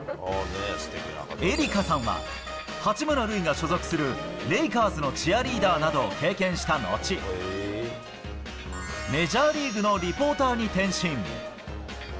エリカさんは八村塁が所属するレイカーズのチアリーダーなどを経験したのち、メジャーリーグのリポーターに転身。